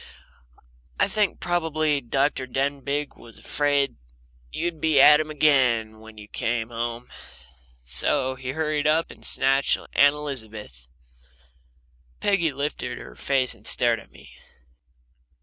I think probably Dr. Denbigh was afraid you'd be at him again when you came home, so he hurried up and snatched Aunt Elizabeth." Peggy lifted her face and stared at me.